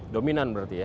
dominan berarti ya